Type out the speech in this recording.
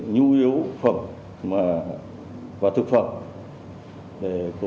thì bước đầu khi bắt giữ